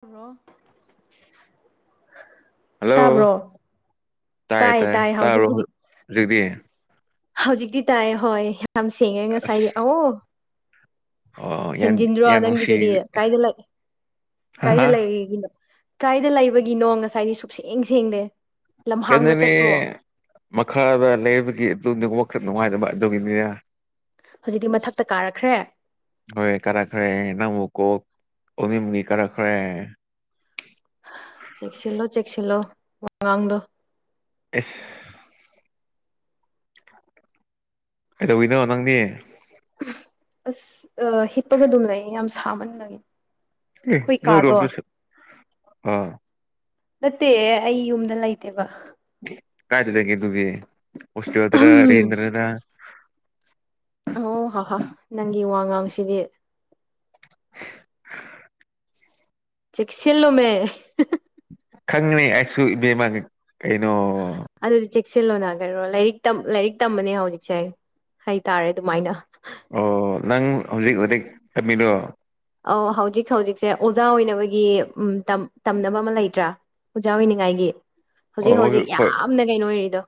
hello ꯇꯥꯕ꯭ꯔꯣ ꯇꯥꯏ ꯇꯥꯏ ꯇꯥꯔꯕꯣ [unintelligible] ꯍꯧꯖꯤꯛꯇꯤ ꯇꯥꯏ ꯍꯣꯏ ꯌꯥꯝ ꯁꯦꯡꯉꯦ ꯑꯁ ꯉꯁꯥꯏꯗꯤ ꯑꯥꯎ ꯑꯣ ꯌꯥꯝ ꯍꯦꯟꯖꯤꯟꯗ꯭ꯔꯣ ꯌꯥꯝ ꯅꯨꯡꯁꯤ ꯅꯪꯒꯤꯗꯨꯗꯤ ꯀꯥꯏꯗ ꯂꯩ ꯀꯥꯏꯗ ꯍꯥ ꯂꯩꯔꯤꯒꯤꯅꯣ ꯀꯥꯏꯗ ꯂꯩꯕꯒꯤꯅꯣ ꯉꯁꯥꯏꯗꯤ ꯁꯨꯡꯁꯦꯡ ꯁꯦꯡꯗꯦ ꯂꯝꯍꯥꯡꯗ ꯀꯩꯅꯣꯅꯦ ꯆꯠꯄ꯭ꯔꯣ ꯃꯈꯥꯗ ꯂꯩꯕꯒꯤ ꯑꯗꯨꯅꯤ ꯋꯈꯜ ꯅꯨꯡꯉꯥꯏꯅꯕ ꯑꯗꯨꯒꯤꯅꯦ ꯍꯧꯖꯤꯛꯇꯤ ꯃꯊꯛꯇꯥ ꯀꯥꯔꯛꯈ꯭ꯔꯦ ꯍꯣꯏ ꯀꯥꯔꯛꯈ꯭ꯔꯦ ꯅꯪꯃꯨꯛ ꯀꯣꯜ ꯎꯅꯤꯝꯒꯤ ꯀꯥꯔꯛꯈ꯭ꯔꯦ ꯆꯦꯛꯁꯤꯜꯂꯣ ꯆꯦꯛꯁꯤꯜꯂꯣ ꯋꯥꯉꯥꯡꯗꯣ ꯑꯦꯁ ꯀꯩꯗꯧꯔꯤꯅꯣ ꯅꯪꯗꯤ ꯑꯁ ꯑꯥ ꯍꯤꯞꯄꯒ ꯑꯗꯨꯝ ꯂꯩꯌꯦ ꯌꯥꯝ ꯁꯥꯃꯟꯕꯒꯤ ꯑꯦ ꯑꯩꯈꯣꯏ ꯀꯥꯗꯣ ꯅꯣꯏꯔꯣꯝꯗꯥꯁꯨ ꯑꯥ ꯅꯠꯇꯦ ꯑꯩ ꯌꯨꯝꯗ ꯂꯩꯇꯦꯕ ꯀꯥꯏꯗ ꯂꯩꯒꯦ ꯕꯦꯕꯤ ꯍꯣꯁꯇꯦꯜꯗꯔꯥ ꯔꯦꯟꯗꯔꯥ ꯅꯪ ꯑꯣ ꯍꯥ ꯍꯥ ꯅꯪꯒꯤ ꯋꯥꯉꯥꯡꯁꯤꯗꯤ ꯆꯦꯛꯁꯤꯜꯂꯣꯃꯤ [unintelligible] ꯈꯪꯉꯦꯃꯤ ꯑꯩꯁꯨ ꯏꯕꯦꯝꯃꯒꯤ ꯀꯩꯅꯣ ꯑꯗꯨꯗꯤ ꯆꯦꯛꯁꯤꯜꯂꯣꯅ ꯀꯔꯤꯔꯣ ꯂꯥꯏꯔꯤꯛ ꯇꯝ ꯂꯥꯏꯔꯤꯛ ꯇꯝꯕꯅꯦ ꯍꯧꯖꯤꯛꯁꯦ ꯍꯥꯏꯇꯥꯔꯦ ꯑꯗꯨꯃꯥꯏꯅ ꯑꯣ ꯅꯪ ꯍꯧꯖꯤꯛ ꯍꯨꯗꯤꯛ ꯇꯝꯕꯤꯗꯣ ꯑꯥꯎ ꯍꯧꯖꯤꯛ ꯍꯧꯖꯤꯛꯁꯦ ꯑꯣꯖꯥ ꯑꯣꯏꯅꯕꯒꯤ ꯎꯝ ꯇꯝ ꯇꯝꯅꯕ ꯑꯃ ꯂꯩꯇ꯭ꯔꯥ ꯑꯣꯖꯥ ꯑꯣꯏꯅꯤꯡꯉꯥꯏꯒꯤ ꯍꯧꯖꯤꯛ ꯑꯣ ꯍꯣꯏ ꯍꯧꯖꯤꯛ ꯍꯣꯏ ꯌꯥꯝꯅ ꯀꯩꯅꯣ ꯑꯣꯏꯔꯤꯗꯣ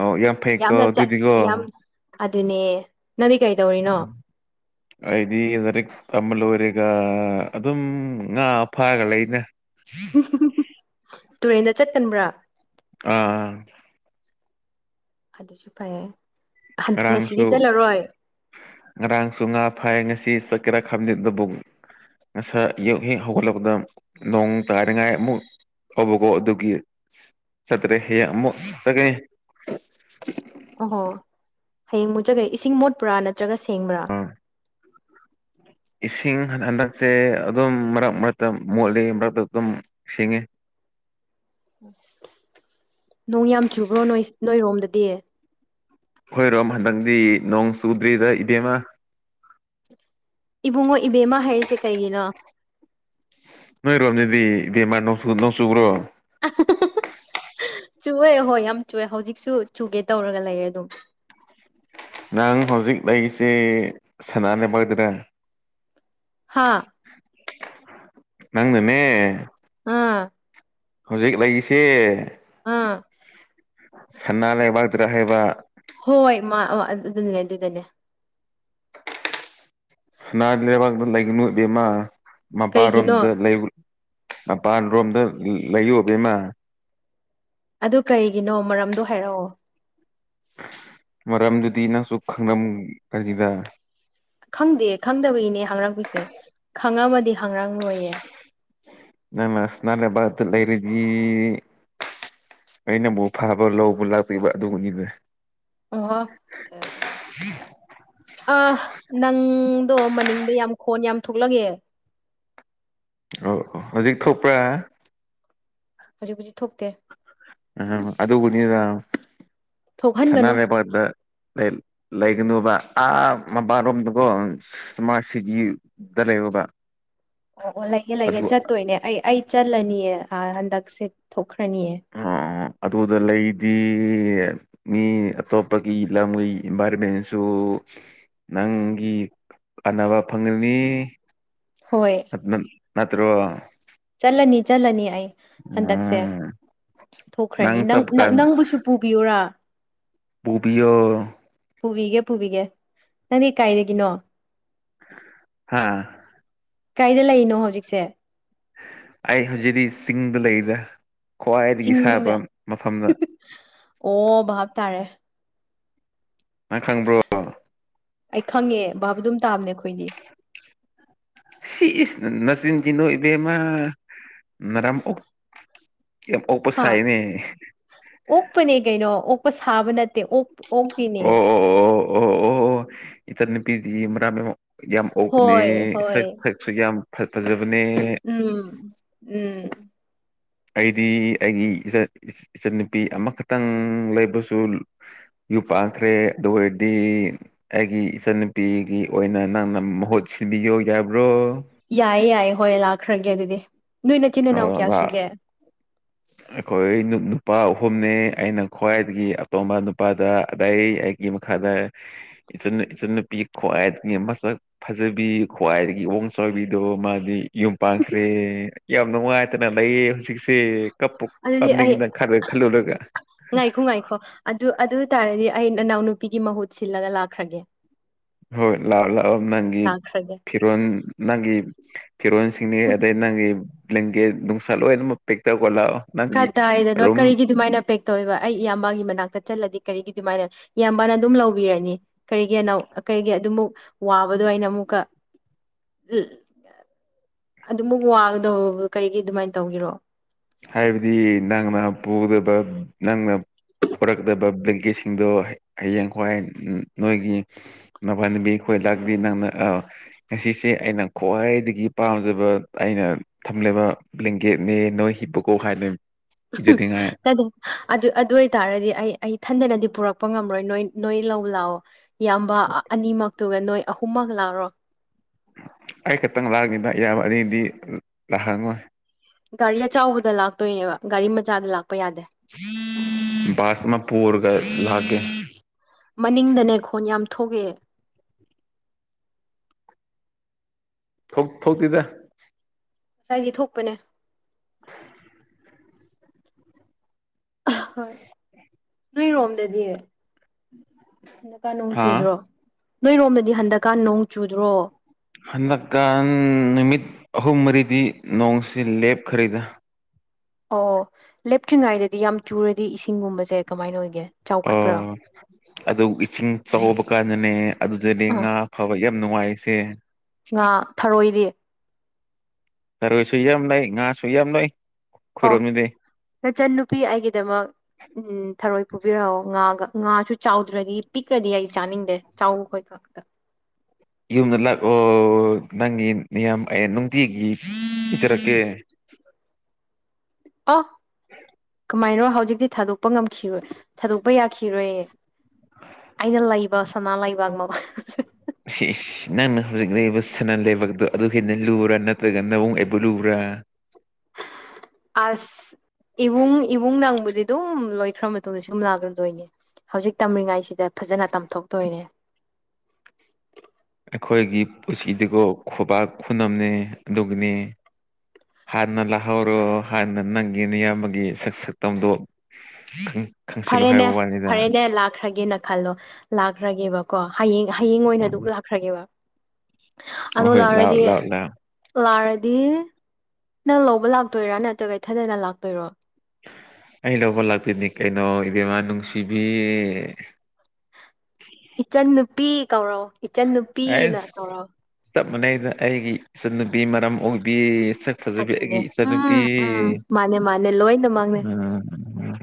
ꯑꯣ ꯌꯥꯝ ꯐꯩꯀꯣ ꯌꯥꯝꯅ ꯆꯠ ꯑꯗꯨꯗꯤꯀꯣ ꯌꯥꯝ ꯑꯗꯨꯅꯦ ꯅꯪꯗꯤ ꯀꯔꯤꯗꯧꯔꯤꯅꯣ ꯑꯩꯗꯤ ꯂꯥꯏꯔꯤꯛ ꯇꯝꯕ ꯂꯣꯏꯔꯦꯒ ꯑꯗꯨꯝ ꯉꯥ ꯐꯥꯔꯒ ꯂꯩꯏꯅ ꯇꯨꯔꯦꯟꯗ ꯆꯠꯀꯟꯕ꯭ꯔꯥ ꯑꯥ ꯑꯗꯨꯁꯨ ꯐꯩꯌꯦ ꯉꯁꯤꯗꯤ ꯉꯔꯥꯡꯁꯨ ꯆꯠꯂꯔꯣꯏ ꯉꯔꯥꯡꯁꯨ ꯉꯥ ꯐꯥꯏ ꯉꯁꯤ ꯆꯠꯀꯦꯔ ꯈꯡꯗꯦ ꯑꯗꯨꯕꯨ ꯉꯁꯥꯏ ꯌꯨꯛ ꯍꯦꯛ ꯍꯧꯒꯠꯂꯛꯄꯗ ꯅꯣꯡ ꯇꯥꯔꯤꯉꯥꯏ ꯑꯃꯨꯛ ꯑꯕꯀꯣ ꯑꯗꯨꯒꯤ ꯆꯠꯇ꯭ꯔꯦ ꯍꯌꯦꯡ ꯑꯃꯨꯛ ꯆꯠꯀꯅꯤ ꯑꯣꯍꯣ ꯍꯌꯦꯡ ꯃꯨꯠ ꯆꯠꯀꯅꯤ ꯏꯁꯤꯡ ꯃꯣꯠꯄ꯭ꯔꯥ ꯅꯠꯇ꯭ꯔꯒ ꯁꯦꯡꯕ꯭ꯔꯥ ꯑꯥ ꯏꯁꯤꯡ ꯍꯟ ꯍꯟꯗꯛꯁꯦ ꯑꯗꯨꯝ ꯃꯔꯛ ꯃꯔꯛꯇ ꯃꯣꯠꯂꯤ ꯃꯔꯛꯇ ꯑꯗꯨꯝ ꯁꯦꯡꯉꯤ ꯅꯣꯡ ꯌꯥꯝ ꯆꯨꯕ꯭ꯔꯣ ꯅꯣꯏꯁ ꯅꯣꯏꯔꯣꯝꯗꯗꯤ ꯑꯩꯈꯣꯏꯔꯣꯝ ꯍꯟꯗꯛꯗꯤ ꯅꯣꯡ ꯆꯨꯗ꯭ꯔꯤꯗꯥ ꯏꯕꯦꯝꯃ ꯏꯕꯨꯡꯉꯣ ꯏꯕꯦꯝꯃ ꯍꯥꯏꯔꯤꯁꯦ ꯀꯩꯒꯤꯅꯣ ꯅꯣꯏ ꯔꯣꯝꯗꯗꯤ ꯏꯕꯦꯝꯃ ꯅꯣꯡꯁꯨ ꯅꯣꯡ ꯆꯨꯕ꯭ꯔꯣ [unintelligible] ꯆꯨꯑꯦ ꯍꯣꯏ ꯌꯥꯝ ꯆꯨꯑꯦ ꯍꯧꯖꯤꯛꯁꯨ ꯆꯨꯒꯦ ꯇꯧꯔꯒ ꯂꯩꯔꯦ ꯑꯗꯨꯝ ꯅꯪ ꯍꯧꯖꯤꯛ ꯂꯩꯔꯤꯁꯦ ꯁꯅꯥ ꯂꯩꯕꯛꯗꯔꯥ ꯍꯥꯥ ꯅꯪꯅꯅꯦ ꯑꯥ ꯍꯧꯖꯤꯛ ꯂꯩꯌꯤꯁꯦ ꯑꯥ ꯁꯅꯥ ꯂꯩꯕꯥꯛꯇ꯭ꯔꯥ ꯍꯥꯏꯕ ꯍꯣꯏ ꯃꯥ ꯑꯎ ꯑꯟ ꯑꯗꯨꯗꯨꯅꯦ ꯑꯗꯨꯗꯨꯅꯦ ꯁꯨꯅꯥꯗꯤ ꯂꯩꯕꯥꯛꯗ ꯂꯩꯒꯅꯨ ꯏꯕꯦꯝꯃꯥ ꯀꯩꯒꯤꯅꯣ ꯃꯄꯥꯔꯣꯝꯗ ꯂꯩꯌꯨ [unintelligible] ꯃꯄꯥꯟ ꯔꯣꯝꯗ ꯂꯩꯌꯣꯕ ꯑꯕꯦꯝꯃ ꯑꯗꯨ ꯀꯔꯤꯒꯤꯅꯣ ꯃꯔꯝꯗꯣ ꯍꯥꯏꯔꯛꯑꯣ ꯃꯔꯝꯗꯨꯗꯤ ꯅꯪꯁꯨ ꯈꯪꯔꯝꯒꯅꯤꯗ ꯈꯪꯗꯦ ꯈꯪꯗꯕꯩꯅꯦ ꯍꯪꯔꯛꯄꯤꯁꯦ ꯈꯪꯉꯝꯃꯗꯤ ꯍꯡꯉ꯭ꯔꯝꯔꯣꯏꯌꯦ ꯅꯪꯅ ꯁꯅꯥꯂꯩꯕꯥꯛꯇ ꯂꯩꯔꯗꯤ ꯑꯩ ꯅꯪꯕꯨ ꯐꯕ ꯂꯧꯕ ꯂꯥꯛꯇꯣꯏꯕ ꯑꯗꯨꯒꯤꯅꯤꯗ ꯑꯣ [unintelligible] ꯑꯍ ꯅꯪꯗꯣ ꯃꯅꯤꯡꯗ ꯌꯥꯝ ꯈꯣꯟ ꯌꯥꯝ ꯊꯣꯛꯂꯒꯑꯦ ꯑꯣ ꯑꯣ ꯍꯧꯖꯤꯛ ꯊꯣꯛꯄ꯭ꯔꯥ ꯍꯧꯖꯤꯛꯄꯨꯗꯤ ꯊꯣꯛꯇꯦ ꯑꯍ ꯑꯗꯨꯕꯨꯅꯤꯗ ꯁꯅꯥ ꯊꯣꯛꯍꯟꯒꯅꯨ ꯂꯩꯕꯥꯛꯇ ꯂꯩ ꯂꯩꯒꯅꯣꯕ ꯑꯥ ꯃꯄꯥ ꯔꯣꯝꯗꯀꯣ ꯁ꯭ꯃꯥꯔꯠ ꯁꯤꯇꯤꯗ ꯂꯩꯌꯣꯕ ꯑꯣ ꯑꯣ ꯂꯩꯒꯦ ꯂꯩꯒꯦ ꯑꯗꯨ ꯆꯠꯇꯣꯏꯅꯦ ꯑꯩ ꯑꯩ ꯆꯠꯂꯅꯤꯌꯦ ꯑ ꯍꯟꯗꯛꯁꯦ ꯊꯣꯛꯈ꯭ꯔꯅꯤꯌꯦ ꯑꯥ [inaudible] ꯑꯗꯨꯗ ꯂꯩꯗꯤ ꯃꯤ ꯑꯇꯣꯞꯄꯒꯤ ꯂꯝꯒꯤ ꯏꯝꯕꯥꯢꯔꯝꯃꯦꯟꯁꯨ ꯅꯪꯒꯤ ꯀꯥꯟꯅꯕ ꯐꯪꯒꯅꯤ ꯍꯣꯏ ꯅꯠꯇ꯭ꯔꯣ ꯆꯠꯂꯅꯤ ꯆꯠꯂꯅꯤ ꯑꯩ ꯍꯟꯗꯛꯁꯦ ꯎꯝ ꯊꯣꯛꯈ꯭ꯔꯅꯤ ꯅꯪ ꯆꯞ ꯀꯥꯟ ꯅꯪꯕꯨꯁꯨ ꯄꯨꯕꯤꯌꯨꯔꯥ ꯄꯨꯕꯤꯌꯣ ꯄꯨꯕꯤꯒꯦ ꯄꯨꯕꯤꯒꯦ ꯅꯪꯗꯤ ꯀꯥꯏꯗꯒꯤꯅꯣ ꯍꯥꯥ ꯀꯥꯏꯗ ꯂꯩꯔꯤꯅꯣ ꯍꯧꯖꯤꯛꯁꯦ ꯑꯩ ꯍꯧꯖꯤꯗꯤ ꯆꯤꯡꯗ ꯂꯩꯗ ꯈ꯭ꯋꯥꯏꯗꯒꯤ ꯁꯥꯕ ꯆꯤꯡꯗ ꯃꯐꯝꯗ ꯑꯣ ꯚꯥꯞ ꯇꯥꯔꯦ ꯅꯪ ꯈꯪꯕ꯭ꯔꯣ ꯑꯩ ꯈꯪꯉꯦ ꯚꯕ ꯑꯗꯨꯝ ꯇꯥꯕꯅꯦ ꯑꯩꯈꯣꯏꯗꯤ ꯁꯤ ꯏꯁ ꯅꯆꯤꯟ ꯊꯤꯅꯣ ꯏꯕꯦꯝꯃ ꯅꯔꯝ ꯑꯣꯛ ꯑꯣꯛꯄ ꯍꯥ ꯁꯥꯏꯅꯦ ꯑꯣꯛꯄꯅꯦ ꯀꯩꯅꯣ ꯑꯣꯛꯄ ꯁꯥꯕ ꯅꯠꯇꯦ ꯑꯣꯛ ꯑꯣꯛꯈ꯭ꯔꯤꯅꯦ ꯑꯣ ꯑꯣ ꯑꯣ ꯑꯣ ꯑꯣ ꯑꯣ ꯏꯆꯟꯅꯨꯄꯤꯗꯤ ꯃꯔꯝ ꯌꯥꯝ ꯑꯣꯛꯄꯅꯦ ꯍꯣꯏ ꯍꯣꯏ ꯁꯛ ꯁꯛꯁꯨ ꯌꯥꯝ ꯐꯖꯕꯅꯦ ꯎꯝ ꯎꯝ ꯑꯩꯗꯤ ꯑꯩꯒꯤ ꯏꯆꯟ ꯏꯆꯟꯅꯨꯄꯤ ꯑꯃꯈꯠꯇꯪ ꯂꯩꯕꯁꯨ ꯌꯨꯝ ꯄꯥꯟꯈ꯭ꯔꯦ ꯑꯗꯨ ꯑꯣꯏꯔꯗꯤ ꯑꯩꯒꯤ ꯏꯆꯟꯅꯨꯄꯤꯒꯤ ꯑꯣꯏꯅ ꯅꯪꯅ ꯃꯍꯨꯠ ꯁꯤꯕꯤꯌꯣ ꯌꯥꯕ꯭ꯔꯣ ꯌꯥꯏꯌꯦ ꯌꯥꯏꯌꯦ ꯍꯣꯏ ꯂꯥꯛꯈ꯭ꯔꯒꯦ ꯑꯗꯨꯗꯤ ꯅꯣꯏ ꯅꯆꯤꯟ ꯏꯅꯥꯎ ꯀꯌꯥ ꯁꯨꯒꯦ ꯑꯩꯈꯣꯏ ꯅꯨꯄꯥ ꯑꯍꯨꯝꯅꯦ ꯑꯩꯅ ꯈ꯭ꯋꯥꯏꯗꯒꯤ ꯑꯇꯣꯝꯕ ꯅꯨꯄꯥꯗ ꯑꯗꯩ ꯒꯤ ꯃꯈꯥꯗ ꯏꯆꯟ ꯏꯆꯟꯅꯨꯄꯤ ꯈ꯭ꯋꯥꯏꯗꯒꯤ ꯃꯁꯛ ꯐꯖꯕꯤ ꯈ꯭ꯋꯥꯏꯗꯒꯤ ꯋꯣꯡ ꯆꯥꯕꯤꯗꯣ ꯃꯥꯗꯤ ꯌꯨꯝ ꯄꯥꯟꯈ꯭ꯔꯦ ꯌꯥꯝ ꯅꯨꯡꯉꯥꯏꯇꯅ ꯂꯩꯌꯦ ꯍꯧꯖꯤꯛꯁꯦ ꯀꯞꯄꯨ ꯑꯗꯨꯗꯤ ꯑꯩ ꯀꯞꯅꯤꯡꯉꯤꯗ ꯈꯜꯂꯨ ꯈꯜꯂꯨꯔꯒ ꯉꯥꯏꯈꯣ ꯉꯥꯏꯈꯣ ꯑꯗꯨ ꯑꯗꯨ ꯇꯥꯔꯗꯤ ꯑꯩ ꯅꯅꯥꯎꯅꯨꯄꯤꯒꯤ ꯃꯍꯨꯠ ꯁꯤꯜꯂꯒ ꯂꯥꯛꯈ꯭ꯔꯒꯦ ꯍꯣꯏ ꯂꯥꯛꯑꯣ ꯂꯥꯛꯑꯣ ꯅꯪꯒꯤ ꯂꯥꯛꯈ꯭ꯔꯒꯦ ꯐꯤꯔꯣꯜ ꯅꯪꯒꯤ ꯐꯤꯔꯣꯟꯁꯤꯡꯅꯦ ꯑꯗꯩ ꯅꯪꯒꯤ ꯕ꯭ꯂꯪꯒꯦꯠ ꯅꯨꯡꯁꯥ ꯂꯣꯏꯅꯃꯛ ꯄꯦꯛ ꯇꯧꯔꯒ ꯂꯥꯛꯑꯣ ꯅꯪꯒꯤ ꯀꯗꯥꯥꯏ ꯗꯅꯣ ꯔꯨꯝ ꯀꯔꯤꯒꯤ ꯑꯗꯨꯃꯥꯏꯅ ꯄꯦꯛ ꯇꯧꯋꯦꯕ ꯑꯩ ꯏꯌꯥꯝꯕꯒꯤ ꯃꯅꯥꯛꯇ ꯆꯠꯂꯗꯤ ꯀꯔꯤꯒꯤ ꯑꯗꯨꯃꯥꯏꯅ ꯏꯌꯥꯝꯕꯅ ꯑꯗꯨꯝ ꯂꯧꯕꯤꯔꯅꯤ ꯀꯔꯤꯒꯤ ꯑꯅꯧ ꯀꯔꯤꯒꯤ ꯑꯗꯨꯃꯨꯛ ꯋꯥꯕꯗꯣ ꯑꯩꯅ ꯑꯃꯨꯛꯀ ꯑꯗꯨꯃꯨꯛ ꯋꯥꯒꯗꯧ ꯀꯔꯤꯒꯤ ꯑꯗꯨꯃꯥꯏꯟ ꯇꯧꯒꯦꯔꯣ ꯍꯥꯏꯕꯗꯤ ꯅꯪꯅ ꯄꯨꯒꯗꯕ ꯅꯪꯅ ꯄꯣꯔꯛꯇꯕ ꯕ꯭ꯂꯦꯡꯀꯦꯠꯁꯤꯡꯗꯣ ꯍꯌꯦꯡ ꯍ꯭ꯋꯥꯏ ꯅꯣꯏꯒꯤ ꯃꯕꯅꯕꯤ ꯈꯣꯏ ꯂꯥꯛꯗꯤ ꯅꯪꯅ ꯑ ꯉꯁꯤꯁꯦ ꯑꯩꯅ ꯈ꯭ꯋꯥꯏꯗꯒꯤ ꯄꯥꯝꯖꯕ ꯑꯩꯅ ꯊꯝꯂꯕ ꯕ꯭ꯂꯪꯒꯦꯠ ꯅꯦ ꯅꯣꯏ ꯍꯤꯞꯄꯨꯀꯣ ꯍꯥꯏꯅ ꯄꯤꯖꯅꯤꯡꯉꯥꯏ [unintelligible] ꯑꯗꯨ ꯑꯗꯨ ꯑꯣꯏꯇꯥꯔꯗꯤ ꯑꯩ ꯑꯩ ꯊꯟꯗꯅꯗꯤ ꯄꯨꯔꯛꯄ ꯉꯝꯃꯔꯣꯏ ꯅꯣꯏ ꯅꯣꯏ ꯂꯧꯕ ꯂꯥꯑꯣ ꯏꯌꯥꯝꯕ ꯑꯅꯤꯃꯛꯇꯨꯒ ꯅꯣꯏ ꯑꯍꯨꯝꯃꯛ ꯂꯥꯛꯔꯣ ꯑꯩ ꯈꯛꯇꯪ ꯂꯥꯛꯅꯤꯅ ꯏꯌꯥꯝꯕ ꯑꯅꯤꯗꯤ ꯂꯥꯛꯍꯪꯉꯣꯏ ꯒꯥꯔꯤ ꯑꯆꯥꯎꯕꯗ ꯂꯥꯛꯇꯣꯏꯅꯦꯕ ꯒꯥꯔꯤ ꯃꯆꯥꯗ ꯂꯥꯛꯄ ꯌꯥꯗꯦ ꯕꯥꯁ ꯃ ꯄꯨꯔꯒ ꯂꯥꯛꯀꯦ ꯃꯅꯤꯡꯗꯅꯦ ꯈꯣꯟ ꯌꯥꯝ ꯊꯣꯛꯑꯦ ꯊꯣꯛ ꯊꯣꯛꯇꯦꯗ ꯉꯁꯥꯏꯗꯤ ꯊꯣꯛꯄꯅꯦ ꯑꯥ ꯍꯣꯏ ꯅꯣꯏꯔꯣꯝꯗꯗꯤ ꯍꯟꯗꯛꯀꯥꯟ ꯅꯣꯡ ꯍꯥ ꯆꯨꯗ꯭ꯔꯣ ꯅꯣꯏꯔꯣꯝꯗꯗꯤ ꯍꯟꯗꯛꯀꯥꯟ ꯅꯣꯡ ꯆꯨꯗ꯭ꯔꯣ ꯍꯟꯗꯛꯀꯥꯟ ꯅꯨꯃꯤꯠ ꯑꯍꯨꯝ ꯃꯔꯤꯗꯤ ꯅꯣꯡꯁꯤ ꯂꯦꯞꯈ꯭ꯔꯦꯗ ꯑꯣ ꯂꯦꯞꯇ꯭ꯔꯤꯉꯩꯗꯗꯤ ꯌꯥꯝ ꯆꯨꯔꯗꯤ ꯏꯁꯤꯡꯒꯨꯝꯕꯁꯦ ꯀꯃꯥꯏꯅ ꯑꯣꯏꯒꯦ ꯆꯥꯎꯈꯠꯄ꯭ꯔꯥ ꯑꯥ ꯑꯗꯨ ꯏꯁꯤꯡ ꯆꯥꯎꯕ ꯀꯥꯟꯗꯅꯦ ꯑꯗꯨꯗꯥꯗꯤ ꯑꯥ ꯉꯥ ꯐꯥꯕ ꯌꯥꯝ ꯅꯨꯡꯉꯥꯏꯁꯦ ꯉꯥ ꯊꯥꯔꯣꯏꯗꯤ ꯊꯥꯔꯣꯏ ꯁꯨ ꯌꯝ ꯂꯩ ꯉꯥ ꯁꯨ ꯌꯥꯝ ꯂꯩ ꯑꯣ ꯑꯩꯈꯣꯏꯔꯣꯝꯗꯗꯤ ꯅꯆꯟ ꯅꯨꯨꯄꯤ ꯑꯩꯒꯤꯗꯃꯛ ꯎꯝ ꯊꯥꯔꯣꯏ ꯄꯨꯕꯤꯔꯛꯑꯣ ꯉꯥꯒ ꯉꯥꯁꯨ ꯆꯥꯎꯗ꯭ꯔꯗꯤ ꯄꯤꯛꯈ꯭ꯔꯗꯤ ꯑꯩ ꯆꯥꯅꯤꯡꯗꯦ ꯆꯥꯎꯕ ꯈꯣꯏ ꯉꯥꯛꯇꯥ ꯌꯨꯝꯗ ꯂꯥꯛꯑꯣ ꯅꯪꯒꯤ ꯃꯌꯥꯝ ꯑꯩ ꯅꯨꯡꯇꯤꯒꯤ ꯄꯤꯖꯔꯛꯀꯦ ꯑꯣ ꯀꯃꯥꯏꯅꯣ ꯍꯧꯖꯤꯛꯇꯤ ꯊꯥꯗꯣꯛꯄ ꯉꯝꯈꯤꯔꯣꯏ ꯊꯥꯗꯣꯛꯄ ꯌꯥꯈꯤꯔꯣꯏ ꯑꯩꯅ ꯂꯩꯕ ꯁꯅꯥ ꯂꯩꯕꯥꯛ ꯃꯥ [unintelligible] ꯅꯪꯅ ꯍꯧꯖꯤꯛ ꯂꯩꯔꯤꯕ ꯁꯅꯥ ꯂꯩꯕꯥꯛꯇꯣ ꯑꯗꯨ ꯍꯦꯟꯅ ꯂꯨꯨꯔꯥ ꯅꯠꯇ꯭ꯔꯒ ꯅꯕꯨꯡ ꯑꯩꯕꯨ ꯂꯨꯕ꯭ꯔꯥ ꯑꯁ ꯏꯕꯨꯡ ꯏꯕꯨꯡ ꯅꯪꯕꯨꯗꯤ ꯑꯗꯨꯝ ꯂꯣꯏꯈ꯭ꯔꯥ ꯃꯇꯨꯡꯗꯁꯨ ꯁꯨꯝ ꯂꯥꯛꯂꯗꯣꯏꯅꯦ ꯍꯧꯖꯤꯛ ꯇꯝꯂꯤꯉꯥꯏꯁꯤꯗ ꯐꯖꯅ ꯇꯝꯊꯣꯛꯇꯣꯏꯅꯦ ꯑꯩꯈꯣꯏꯒꯤ ꯄꯨꯟꯁꯤꯗꯤꯒꯣ ꯈꯨꯕꯥꯛ ꯈꯨꯅꯝꯅꯦ ꯑꯗꯨꯒꯨꯅꯦ ꯍꯥꯟꯅ ꯂꯥꯛꯍꯧꯔꯣ ꯍꯥꯟꯅ ꯅꯪꯒꯤ ꯅꯌꯥꯝꯕꯒꯤ ꯁꯛ ꯁꯛꯇꯝꯗꯣ [unintelligible] ꯐꯔꯦꯅꯦ ꯍꯥꯏꯕ ꯋꯥꯅꯤꯗ ꯐꯔꯦꯅꯦ ꯂꯥꯛꯈ꯭ꯔꯒꯦꯅ ꯈꯜꯂꯣ ꯂꯥꯛꯈ꯭ꯔꯒꯦꯕꯀꯣ ꯍꯌꯦꯡ ꯍꯌꯦꯡ ꯑꯣꯏꯅ ꯎꯝ ꯑꯗꯨꯝ ꯂꯥꯛꯈ꯭ꯔꯒꯦꯕ ꯍꯣꯏ ꯑꯗꯨ ꯍꯣꯏ ꯂꯥꯛꯑꯣ ꯂꯥꯛꯔꯗꯤ ꯂꯥꯛꯑꯣ ꯂꯥꯛꯑꯣ ꯂꯥꯛꯔꯗꯤ ꯅꯪ ꯂꯧꯕ ꯂꯥꯛꯇꯣꯏꯔꯥ ꯅꯠꯇ꯭ꯔꯒ ꯏꯊꯟꯗꯅ ꯂꯥꯛꯇꯣꯏꯔꯣ ꯑꯩ ꯂꯧꯕ ꯂꯥꯛꯄꯤꯅꯤ ꯀꯩꯅꯣ ꯏꯕꯦꯝꯃꯥ ꯅꯨꯡꯁꯤꯕꯤ ꯏꯆꯟ ꯅꯨꯄꯤ ꯀꯧꯔꯣ ꯏꯆꯟ ꯅꯨꯄꯤꯅ ꯑꯁ ꯀꯧꯔꯣ ꯆꯞ ꯃꯥꯟꯅꯩꯗ ꯑꯩꯒꯤ ꯏꯆꯠ ꯅꯨꯄꯔ ꯃꯔꯝ ꯑꯣꯡꯕꯤ ꯁꯛ ꯐꯖꯕꯤ ꯑꯗꯨꯅꯦ ꯑꯩꯒꯤ ꯏꯆꯟꯅꯨꯄꯤ ꯎꯝ ꯎꯝ ꯃꯥꯅꯦ ꯃꯥꯅꯦ ꯂꯣꯏꯅꯃꯛꯅꯦ ꯎꯝ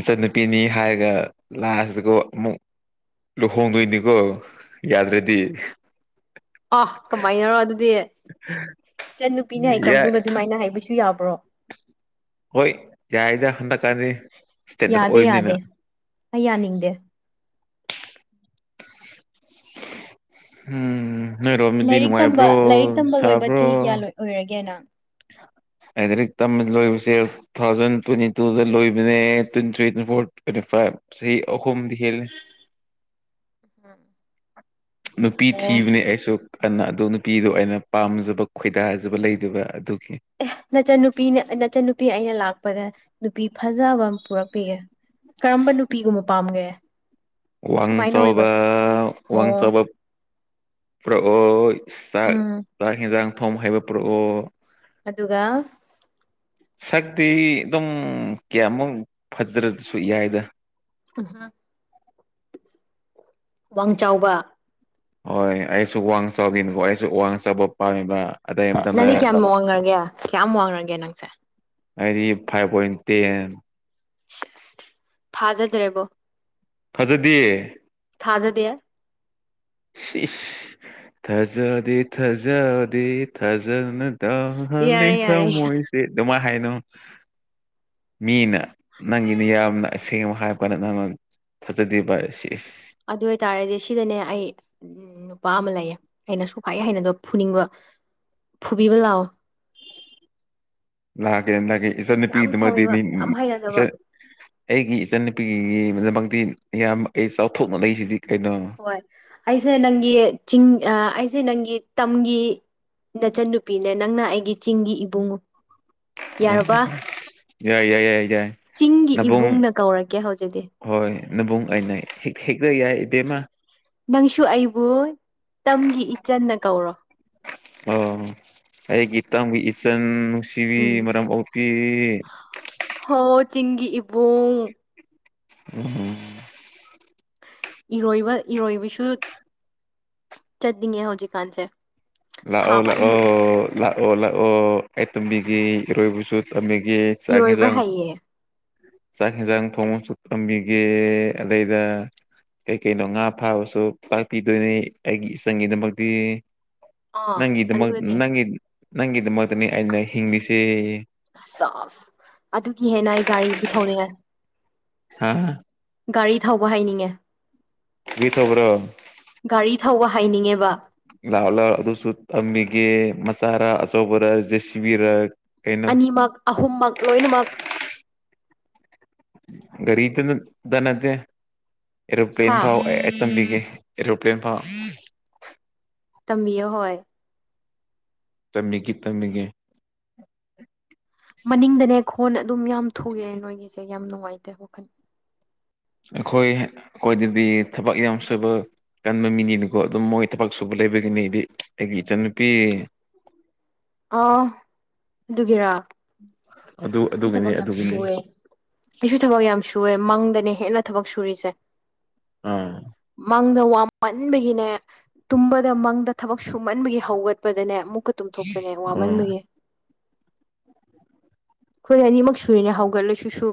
ꯏꯆꯟꯅꯨꯄꯤꯅꯤ ꯍꯥꯏꯔꯒ ꯂꯥꯁꯗꯀꯣ ꯑꯃꯨꯛ ꯂꯨꯍꯣꯡꯗꯣꯏꯅꯤꯀꯣ ꯌꯥꯗ꯭ꯔꯗꯤ ꯑꯥ ꯀꯃꯥꯏꯅꯔꯣ ꯑꯗꯨꯗꯤ ꯏꯆꯟ ꯅꯨꯄꯤꯅꯤ ꯍꯩꯈ꯭ꯔꯕ ꯌꯥꯏ ꯃꯇꯨꯡꯗ ꯑꯗꯨꯃꯥꯏꯅ ꯍꯩꯕꯁꯨ ꯌꯥꯕ꯭ꯔꯣ ꯍꯣꯏ ꯌꯥꯏꯗ ꯍꯟꯗꯛꯀꯥꯟꯗꯤ ꯏꯁꯇꯦꯟꯗꯔꯠ ꯌꯥꯗꯦ ꯑꯣꯏꯕꯅꯤꯅ ꯌꯥꯗꯦ ꯑꯩ ꯌꯥꯅꯤꯡꯗꯦ ꯎꯝ ꯅꯣꯏꯔꯣꯝꯃꯤꯗꯤ ꯂꯥꯏꯔꯤꯛ ꯅꯨꯡꯉꯥꯏꯕ꯭ꯔꯣ ꯁꯥꯕ꯭ꯔꯣ ꯑꯣꯏꯔꯒꯦꯅ ꯂꯥꯏꯔꯤꯛ ꯇꯝꯕ ꯂꯣꯏꯕꯁꯦ ꯇꯨ ꯊꯥꯎꯖꯟ ꯇ꯭ꯋꯦꯟꯇꯤ ꯇꯨꯗ ꯂꯣꯏꯕꯅꯦ twenty three twenty four twenty five ꯆꯍꯤ ꯑꯍꯨꯝꯗꯤ ꯍꯦꯜꯂꯦ ꯎꯝ ꯅꯨꯄꯤ ꯊꯤꯕꯅꯤ ꯑꯩꯁꯨ ꯀꯟꯅ ꯑꯗꯨ ꯅꯨꯄꯤꯗꯣ ꯑꯩꯅ ꯄꯥꯝꯖꯕ ꯈꯣꯏꯗꯥꯖꯕ ꯂꯩꯗꯕ ꯑꯗꯨꯒꯤ ꯑꯦ ꯅꯆꯟꯅꯨꯄꯤꯅ ꯅꯆꯟꯅꯨꯄꯤ ꯑꯩꯅ ꯂꯥꯛꯄꯗ ꯅꯨꯄꯤ ꯐꯖꯕ ꯑꯃ ꯄꯨꯔꯛꯄꯤꯒꯦ ꯀꯔꯝꯕ ꯅꯨꯄꯤꯒꯨꯝꯕ ꯄꯥꯝꯒꯦ ꯋꯥꯡ ꯀꯃꯥꯏꯅ ꯑꯣꯏꯕ ꯆꯥꯎꯕꯥ ꯋꯥꯡ ꯑꯣ ꯆꯥꯎꯕꯥ ꯄꯨꯔꯛꯑꯣ ꯆꯥꯛ ꯎꯝ ꯆꯥꯛ ꯍꯦꯟꯖꯥꯡ ꯊꯣꯡꯕ ꯍꯥꯏꯕ ꯄꯨꯔꯛꯑꯣ ꯑꯗꯨꯒ ꯁꯛꯇꯤ ꯑꯗꯨꯝ ꯀꯌꯥꯃꯨꯛ ꯐꯖ꯭ꯔꯗ꯭ꯔꯁꯨ ꯌꯥꯏꯗ ꯋꯥꯡ ꯆꯥꯎꯕ ꯍꯣꯏ ꯑꯩꯁꯨ ꯋꯥꯡ ꯆꯥꯎꯕꯤꯅꯤꯀꯣ ꯑꯩꯁꯨ ꯋꯥꯡ ꯆꯥꯕ ꯄꯥꯝꯃꯤꯕ ꯑꯗꯩ ꯃꯇꯝꯗ ꯅꯪꯗꯤ ꯀꯌꯥꯝ ꯋꯥꯡꯉꯒꯦ ꯀꯌꯥꯝ ꯋꯥꯡꯉꯔꯒꯦ ꯅꯪꯁꯦ ꯍꯥꯏꯗꯤ ꯐꯥꯏꯚ ꯄꯣꯏꯟ ꯇꯦꯟ ꯊꯥꯖꯗ꯭ꯔꯦꯕꯣ ꯐꯖꯗꯦ ꯊꯥꯖꯗꯦ ꯊꯥꯖꯗꯦ ꯊꯥꯖꯗꯦ ꯊꯥꯖꯅ ꯇꯥꯍꯜꯂꯤ ꯌꯥꯔꯦ ꯌꯥꯔꯦ ꯊꯃꯣꯏꯁꯦ ꯑꯗꯨꯃꯥꯏꯅ ꯍꯥꯏꯅꯣ ꯃꯤꯅ ꯅꯪꯒꯤꯅ ꯌꯥꯝꯅ ꯑꯁꯦꯡꯕ ꯍꯥꯏꯔ ꯀꯥꯟꯗ ꯅꯪ ꯊꯖꯗꯦꯕꯥ ꯁꯤꯁ ꯑꯗꯨ ꯑꯣꯏꯇꯥꯔꯗꯤ ꯁꯤꯗꯅꯦ ꯑꯩ ꯎꯝ ꯅꯨꯄꯥ ꯑꯃ ꯂꯩꯌꯦ ꯑꯩꯅ ꯁꯨꯛꯍꯩ ꯍꯩꯅꯗꯕ ꯐꯨꯅꯤꯡꯕ ꯐꯨꯕꯤꯕ ꯂꯥꯛꯑꯣ [inaudible] ꯂꯥꯛꯀꯦ ꯂꯥꯛꯀꯦ ꯌꯥꯝ ꯁꯥꯎꯅꯤꯡꯕ ꯏꯆꯟꯅꯨꯄꯤꯒꯤꯗꯃꯛꯇꯗꯤ ꯌꯥꯝ ꯍꯩꯅꯗꯕ ꯏꯆꯟ ꯑꯩꯒꯤ ꯏꯆꯟꯅꯨꯄꯤꯒꯤꯗꯃꯛꯇꯤ ꯅꯌꯥꯝꯕ ꯑꯩ ꯆꯥꯎꯊꯣꯛꯅ ꯂꯩꯁꯤꯗꯤ ꯀꯩꯅꯣ ꯍꯣꯏ ꯑꯩꯁꯦ ꯅꯪꯒꯤ ꯆꯤꯡ ꯑꯩꯁꯦ ꯅꯪꯒꯤ ꯇꯝꯒꯤ ꯅꯆꯟꯅꯨꯄꯤꯅꯦ ꯅꯪꯅ ꯑꯩꯒꯤ ꯆꯤꯡꯒꯤ ꯏꯕꯨꯡꯉꯣ ꯎ ꯌꯥꯏ ꯌꯥꯏ ꯌꯥꯏ ꯌꯥꯏ ꯆꯤꯡꯒꯤ ꯅꯕꯨꯡ ꯏꯕꯨꯡꯅ ꯀꯧꯔꯛꯀꯦ ꯍꯧꯖꯤꯛꯇꯤ ꯍꯣꯏ ꯅꯕꯨꯡ ꯑꯩꯅ ꯍꯦꯛꯇ ꯌꯥꯏ ꯏꯕꯦꯝꯃ ꯅꯪꯁꯨ ꯑꯩꯕꯨ ꯇꯝꯒꯤ ꯏꯆꯟꯅ ꯀꯧꯔꯣ ꯑꯣ ꯑꯩꯒꯤ ꯇꯝꯒꯤ ꯏꯆꯟ ꯅꯨꯡꯁꯤꯕꯤ ꯎꯝ ꯃꯔꯝ ꯑꯣꯛꯄꯤ ꯍꯣ ꯆꯤꯡꯒꯤ ꯏꯕꯨꯡ ꯎꯝ ꯏꯔꯣꯏꯕ ꯏꯔꯣꯏꯕꯁꯨ ꯆꯠꯅꯤꯡꯉꯦ ꯍꯧꯖꯤꯛꯀꯥꯟꯁꯦ ꯂꯥꯛꯑꯣ ꯂꯥꯛꯑꯣ ꯁꯥꯃꯟꯕꯒꯤ ꯂꯥꯛꯑꯣ ꯂꯥꯛꯑꯣ ꯑꯩ ꯇꯝꯕꯤꯒꯦ ꯏꯔꯣꯏꯕꯁꯨ ꯇꯝꯕꯤꯒꯦ ꯆꯥꯛ ꯏꯔꯣꯏꯕ ꯌꯦꯟꯁꯥꯡ ꯍꯩꯌꯦ ꯆꯥꯛ ꯌꯦꯟꯁꯥꯡ ꯊꯣꯡꯉꯁꯨ ꯇꯝꯕꯤꯒꯦ ꯑꯗꯩꯗ ꯀꯩ ꯀꯩꯅꯣ ꯉꯥ ꯐꯥꯕꯁꯨ ꯇꯥꯛꯄꯤꯗꯣꯏꯅꯤ ꯑꯩꯒꯤ ꯏꯆꯟꯒꯤꯗꯃꯛꯇꯤ ꯑꯥ ꯅꯪꯒꯤꯗꯃꯛ ꯑꯗꯨꯒꯗꯤ ꯅꯪꯒꯤ ꯅꯪꯒꯤꯗꯃꯛꯇꯅꯤ ꯑꯩꯅ ꯍꯤꯡꯂꯤꯁꯦ ꯑꯁ ꯑꯗꯨꯒꯤ ꯍꯦꯟꯅ ꯑꯩ ꯒꯥꯔꯤ ꯄꯨ ꯊꯧꯅꯤꯡꯑꯦ ꯍꯥꯥ ꯒꯥꯔꯤ ꯊꯧꯕ ꯍꯩꯅꯤꯡꯉꯦ [unintelligible] ꯇꯧꯕ꯭ꯔꯣ ꯒꯥꯔꯤ ꯊꯧꯕ ꯍꯩꯅꯤꯡꯉꯦꯕ ꯂꯥꯎ ꯂꯥꯎ ꯑꯗꯨꯁꯨ ꯇꯝꯕꯤꯒꯦ ꯃꯆꯥꯔꯥ ꯑꯆꯧꯕꯔꯥ ꯖꯦꯁꯤꯕꯤꯔ ꯀꯩꯅꯣ ꯑꯅꯤꯃꯛ ꯑꯍꯨꯝꯃꯛ ꯂꯣꯏꯅꯃꯛ ꯒꯥꯔꯤꯗꯨꯗ ꯅꯠꯇꯦ ꯑꯦꯔꯣꯄ꯭ꯂꯦꯟ ꯍꯥ ꯐꯥꯎ ꯇꯝꯕꯤꯒꯦ ꯑꯦꯔꯣꯄ꯭ꯂꯦꯟꯐꯥꯎ ꯇꯝꯕꯤꯌꯣ ꯍꯣꯏ ꯇꯝꯃꯤꯒꯦ ꯇꯝꯕꯤꯒꯦ ꯃꯅꯤꯡꯗꯅꯦ ꯈꯣꯟ ꯑꯗꯨꯝ ꯌꯥꯝ ꯊꯣꯛꯑꯦ ꯅꯣꯏꯒꯤꯁꯦ ꯌꯥꯝ ꯅꯨꯡꯉꯥꯏꯇꯦ ꯋꯥꯈꯜ ꯑꯩꯈꯣꯏ ꯑꯩꯈꯣꯏꯗꯗꯤ ꯊꯕꯛ ꯌꯥꯝ ꯁꯨꯕ ꯀꯟꯕ ꯃꯤꯅꯤꯅꯀꯣ ꯑꯗꯨꯝ ꯃꯣꯏ ꯊꯕꯛ ꯁꯨꯕ ꯂꯩꯕꯒꯤꯅꯤ ꯑꯩꯒꯤ ꯏꯆꯟꯅꯨꯄꯤ ꯑ ꯑꯗꯨꯒꯤꯔꯥ ꯑꯗꯨ ꯑꯩꯈꯣꯏꯁꯨ ꯑꯗꯨꯒꯤꯅꯤ ꯊꯕꯛ ꯌꯥꯝ ꯑꯗꯨꯒꯤꯅꯤ ꯁꯨꯑꯦ ꯑꯩꯁꯨ ꯊꯕꯛ ꯌꯥꯝ ꯁꯨꯋꯦ ꯃꯪꯗꯅꯦ ꯍꯦꯟꯅ ꯊꯕꯛ ꯁꯨꯔꯤꯁꯦ ꯎꯝ ꯃꯪꯗ ꯋꯥꯃꯟꯕꯒꯤꯅꯦ ꯇꯨꯝꯕꯗ ꯃꯪꯗ ꯊꯕꯛ ꯁꯨꯃꯟꯕꯒꯤ ꯍꯧꯒꯠꯄꯗꯅꯦ ꯑꯃꯨꯛꯀ ꯇꯨꯝꯊꯣꯛꯄꯅꯦ ꯑꯣ ꯋꯥꯃꯟꯕꯒꯤ ꯑꯩꯈꯣꯏꯗꯤ ꯑꯅꯤꯃꯛ ꯁꯨꯔꯤꯅꯦ ꯍꯧꯒꯠꯂꯁꯨ ꯁꯨꯕ